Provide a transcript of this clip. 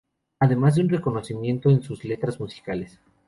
Además de un reconocimiento en sus letras musicales.